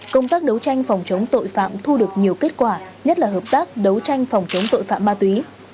công tác đấu tranh phòng chống tội phạm thu được nhiều kết quả nhất là hợp tác đấu tranh phòng chống tội phạm ma túy